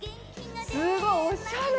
すごいおしゃれ！